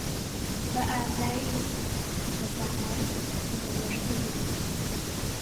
بەئازایی، بەزانایی، بەوردی